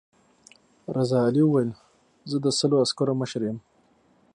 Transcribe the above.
رضا علي وویل زه د سلو عسکرو مشر یم.